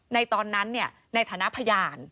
ในตอนนั้นในฐานะพยาน